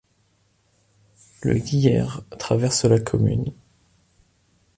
Le Guiers traverse la commune.